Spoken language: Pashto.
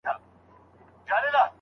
د مقالې مهمي برخي نه حذف کېږي.